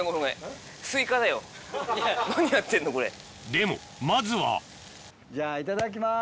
でもまずはじゃあいただきます。